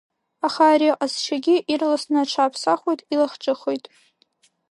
Аха ари аҟазшьагьы ирласны аҽаԥсахуеит, илахҿыххоит.